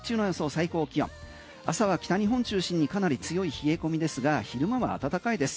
最高気温朝は北日本中心にかなり強い冷え込みですが昼間は暖かいです。